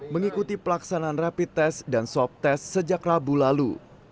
mengikuti pelaksanaan rapid test dan swab test sejak rabu lalu